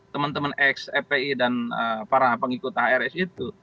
teman teman ex fpi dan para pengikut ars itu